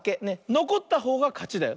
のこったほうがかちだよ。